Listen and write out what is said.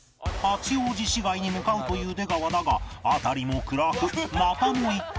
八王子市街に向かうという出川だが辺りも暗くまたも行ったり来たり